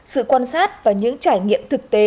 sự quan sát và những trải nghiệm thực tế